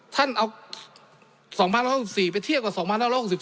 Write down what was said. ท่านเอา๒๐๑๖๔ไปเทียบกับ๒๑๖๖๒